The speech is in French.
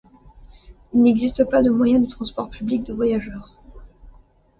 Il n'existe pas de moyens de transports publics de voyageurs.